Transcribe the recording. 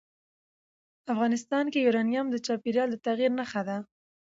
افغانستان کې یورانیم د چاپېریال د تغیر نښه ده.